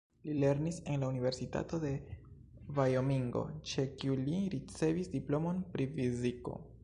Li lernis en la Universitato de Vajomingo, ĉe kiu li ricevis diplomon pri fiziko.